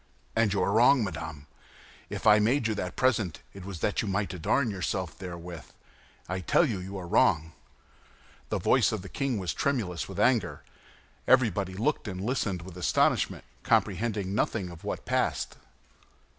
"And you were wrong, madame. If I made you that present it was that you might adorn yourself therewith. I tell you that you were wrong." The voice of the king was tremulous with anger. Everybody looked and listened with astonishment, comprehending nothing of what passed.